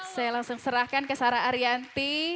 saya langsung serahkan ke sarah arianti